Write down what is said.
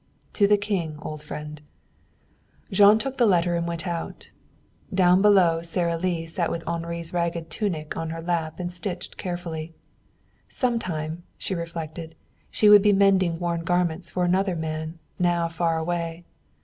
"To the King, old friend." Jean took the letter and went out. Down below, Sara Lee sat with Henri's ragged tunic on her lap and stitched carefully. Sometime, she reflected, she would be mending worn garments for another man, now far away.